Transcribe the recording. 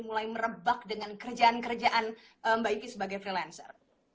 mulai merebak dengan kerjaan kerjaan mbak iki sebagai freelancer